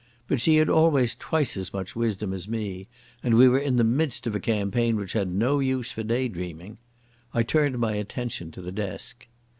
But she had always twice as much wisdom as me, and we were in the midst of a campaign which had no use for day dreaming. I turned my attention to the desk.